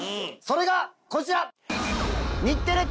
それがこちら！